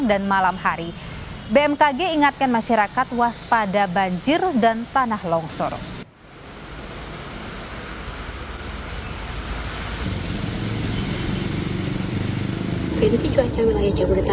dan malam hari bmkg ingatkan masyarakat waspada banjir dan tanah longsorong